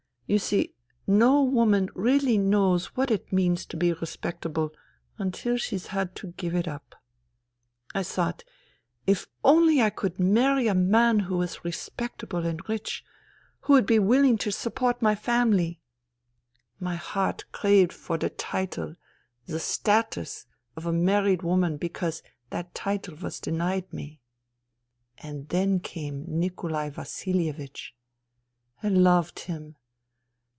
You see, no woman really knows what it means to be respectable until she's had to give it up. I thought : if only I could marry a man who was respectable and rich, who would be willing to support my family ! My heart craved for the title, the status, of a married woman because that title was denied me. " And then came Nikolai Vasilievich. " I loved him.